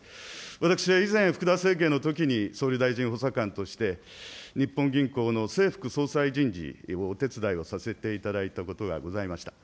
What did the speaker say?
私は以前、福田政権のときに総理大臣補佐官として、日本銀行の正副総裁人事をお手伝いをさせていただいたことがございました。